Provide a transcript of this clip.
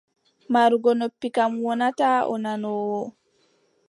Marugo noppi kam, wonataa a nanoowo.